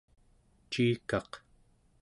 ciikaq